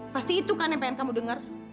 pasti itu kan yang pengen kamu dengar